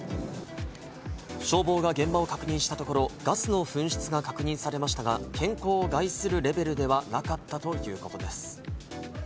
消防が現場を確認したところ、ガスの噴出が確認されましたが、健康を害するレベルではなかったということです。